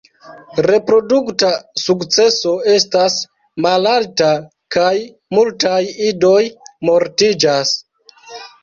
Reprodukta sukceso estas malalta kaj multaj idoj mortiĝas.